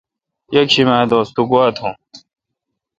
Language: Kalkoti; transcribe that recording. یکشم اے° دوس تو گوا تھون۔